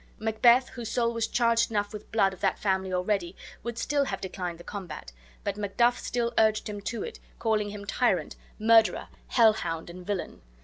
Macbeth, whose soul was charged enough with blood of that family already, would still have declined the combat; but Macduff still urged him to it, calling him tyrant, murderer, hell hound, and villain.